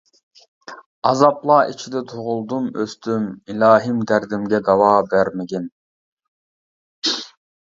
ئازابلار ئىچىدە تۇغۇلدۇم، ئۆستۈم، ئىلاھىم دەردىمگە داۋا بەرمىگىن.